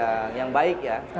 saya setuju saya setuju